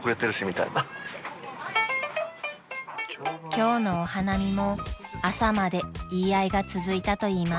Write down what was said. ［今日のお花見も朝まで言い合いが続いたと言います］